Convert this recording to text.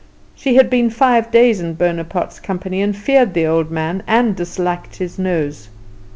She had been five days in Bonaparte's company, and feared the old man, and disliked his nose.